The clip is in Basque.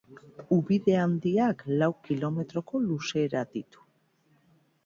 Ubide Handiak lau kilometroko luzera ditu.